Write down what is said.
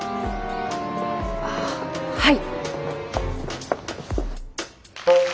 あはい。